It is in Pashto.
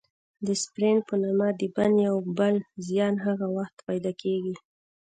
د سپرن په نامه د بند یو بل زیان هغه وخت پیدا کېږي.